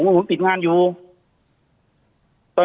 คุณภาคภูมิครับคุณภาคภูมิครับ